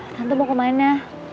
tante mau kemana